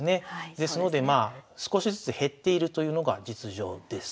ですのでまあ少しずつ減っているというのが実情です。